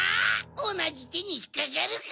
おなじてにひっかかるか！